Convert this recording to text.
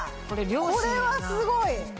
これはすごい！